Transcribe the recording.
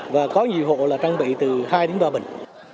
và có nhiều hộ là trang bị từ hai đến ba bình